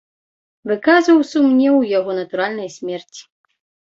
Выказваў сумнеў у яго натуральнай смерці.